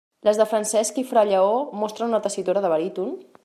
Les de Francesc i fra Lleó mostren una tessitura de baríton.